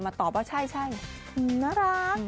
ตอบว่าใช่น่ารัก